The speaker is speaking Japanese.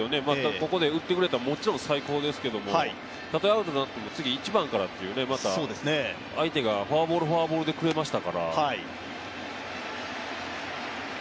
ここで打ってくれたらもちろん最高ですけど、たとえアウトになっても次１番からという相手がフォアボール、フォアボールでくれましたから。